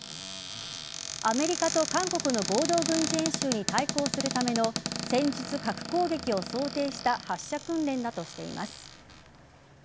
アメリカと韓国の合同軍事演習に対抗するための戦術核攻撃を想定した発射訓練だとしています。